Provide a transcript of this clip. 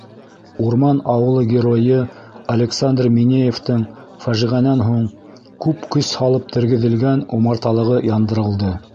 Урман ауылы геройы Александр Минеевтың фажиғәнән һуң күп көс һалып тергеҙелгән умарталығы яндырылды...